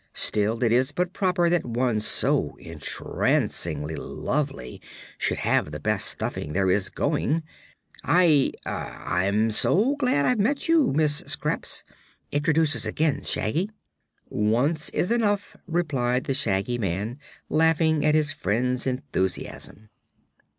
"Still, it is but proper that one so entrancingly lovely should have the best stuffing there is going. I er I'm so glad I've met you, Miss Scraps! Introduce us again, Shaggy." "Once is enough," replied the Shaggy Man, laughing at his friend's enthusiasm.